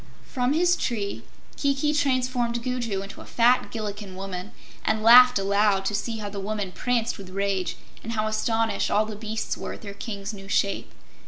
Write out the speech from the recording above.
From his tree Kiki transformed Gugu into a fat Gillikin woman, and laughed aloud to see how the woman pranced with rage, and how astonished all the beasts were at their King's new shape.